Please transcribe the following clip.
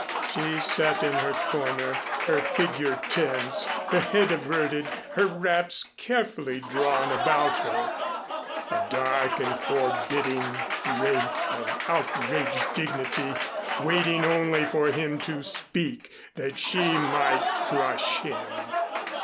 She sat in her corner, her figure tense, her head averted, her wraps carefully drawn about her, a dark and forbidding wraith of outraged dignity, waiting only for him to speak that she might crush him.